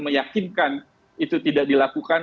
meyakinkan itu tidak dilakukan